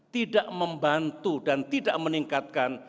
tidak membantu dan tidak meningkatkan